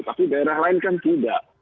tapi daerah lain kan tidak